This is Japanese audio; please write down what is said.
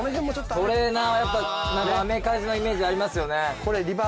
トレーナーはやっぱアメカジのイメージありますよね。